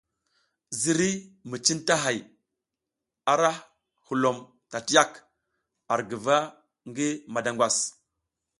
Ziriy mi cintahay arahulom tatiyak ar guva ngi madangwas.